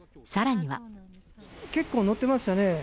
結構乗ってましたね。